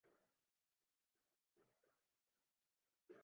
ধর্মের অধ্যয়ন মানবজাতির জন্য খুবই গুরুত্বপূর্ণ।